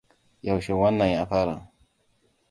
Yaushe wannan ya fara?